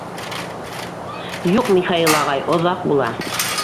— Юҡ, Михаил ағай, оҙаҡ була.